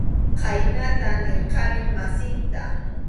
Khaynata nirqani masiyta.